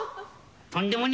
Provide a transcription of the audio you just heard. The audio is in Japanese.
とんでもねえ。